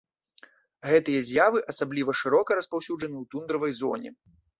Гэтыя з'явы асабліва шырока распаўсюджаны ў тундравай зоне.